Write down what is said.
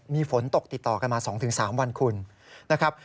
มีฝนตกติดต่อกันมา๒๓วันคุณนะครับ